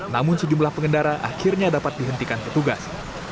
namun sejumlah pengendara akhirnya dapat dihentikan petugas